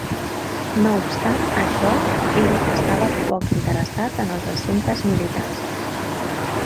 No obstant això, ell estava poc interessat en els assumptes militars.